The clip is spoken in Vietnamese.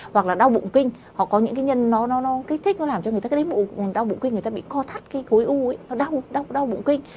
hoặc là đau bụng kinh hoặc có những cái nhân nó kích thích nó làm cho người ta cái đấy đau bụng kinh người ta bị co thắt cái gối u ấy nó đau đau bụng kinh